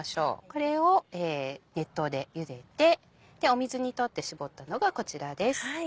これを熱湯でゆでて水に取って絞ったのがこちらです。